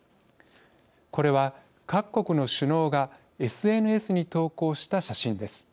これは、各国の首脳がＳＮＳに投稿した写真です。